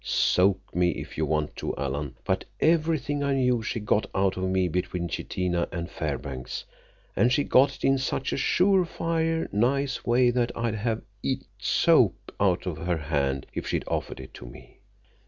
Soak me if you want to, Alan—but everything I knew she got out of me between Chitina and Fairbanks, and she got it in such a sure fire nice way that I'd have eat soap out of her hand if she'd offered it to me.